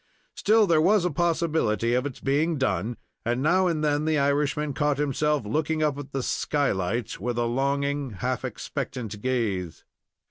Still there was a possibility of its being done, and now and then the Irishman caught himself looking up at the "skylight," with a longing, half expectant gaze.